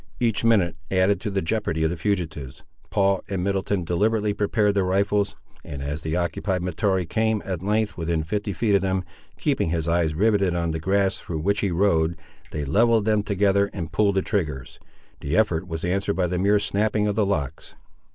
Each minute added to the jeopardy of the fugitives. Paul and Middleton deliberately prepared their rifles, and as the occupied Mahtoree came, at length, within fifty feet of them, keeping his eyes riveted on the grass through which he rode, they levelled them together and pulled the triggers. The effort was answered by the mere snapping of the locks.